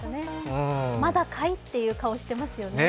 まだかい？って顔をしていますよね。